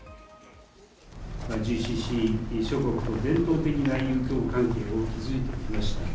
ＧＣＣ諸国と伝統的な友好関係を築いてきました。